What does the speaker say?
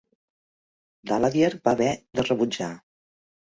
Daladier va haver de rebutjar.